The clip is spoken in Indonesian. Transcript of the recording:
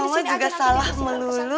mama juga salah melulu